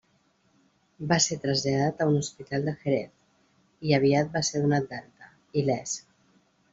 Va ser traslladat a un hospital de Jerez, i aviat va ser donat d'alta, il·lès.